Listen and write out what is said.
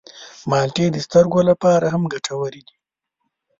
مالټې د سترګو لپاره هم ګټورې دي.